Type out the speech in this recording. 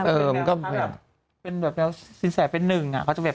เป็นแบบจะสินใส่เป็นหนึ่ง